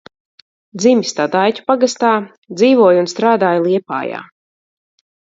Dzimis Tadaiķu pagastā, dzīvoja un strādāja Liepājā.